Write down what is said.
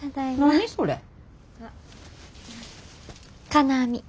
金網。